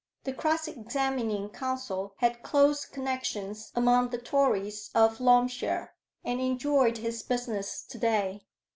The cross examining counsel had close connections among the Tories of Loamshire, and enjoyed his business to day.